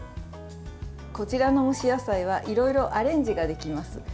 こちらの蒸し野菜はいろいろアレンジができます。